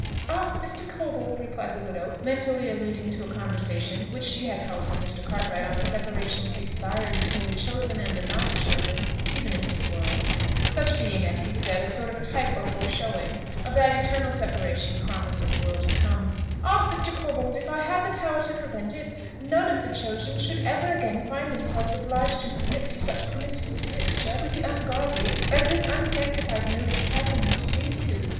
"Ah, Mr. Corbold!" replied the widow, (mentally alluding to a conversation which she had held with Mr. Cartwright on the separation to be desired between the chosen and the not chosen even in this world; such being, as he said, a sort of type or foreshowing of that eternal separation promised in the world to come;) "Ah, Mr. Corbold! if I had the power to prevent it, none of the chosen should ever again find themselves obliged to submit to such promiscuous mixture with the ungodly as this unsanctified mode of travelling must lead to.